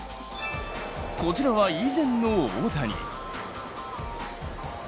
こちらは以前の大谷。